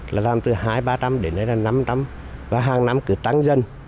là làm từ hai ba năm đến nay là năm năm và hàng năm cứ tăng dân